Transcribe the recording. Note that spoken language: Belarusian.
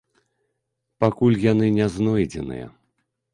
Пакуль яны не знойдзеныя.